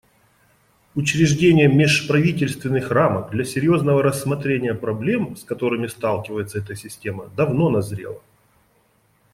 Учреждение межправительственных рамок для серьезного рассмотрения проблем, с которыми сталкивается эта система, давно назрело.